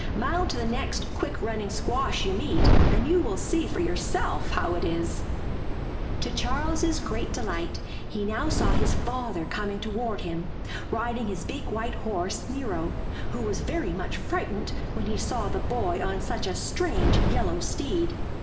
Mount the next quick running squash you meet, and you will see for yourself how it is. To Charles's great delight, he now saw his father coming toward him, riding his big white horse Nero, who was very much frightened when he saw the boy on such a strange yellow steed.